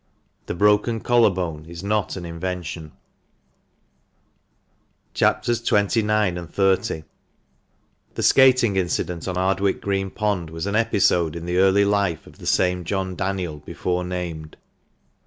The broken collar bone is not an invention. CHAPS. XXIX. and XXX. — The skating incident on Ardwick Green Pond was an episode in the early life of the same John Daniel before named.